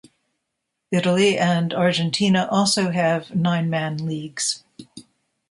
Italy and Argentina also have nine-man leagues.